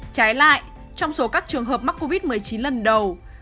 trái lại trong số các trường hợp mắc covid một mươi chín lần đầu